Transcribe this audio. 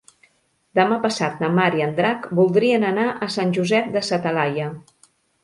Demà passat na Mar i en Drac voldrien anar a Sant Josep de sa Talaia.